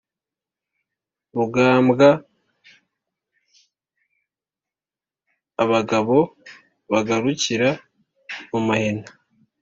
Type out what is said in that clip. rugambwa abagabo bagarukira mu mahina,